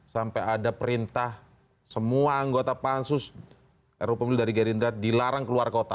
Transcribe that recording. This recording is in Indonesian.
sampai ada perintah semua anggota pansus ru pemilu dari gerindra dilarang keluar kota